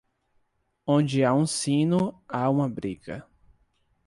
Onde há um sino, há uma briga.